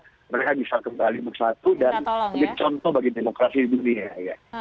jadi contoh bagi demokrasi di dunia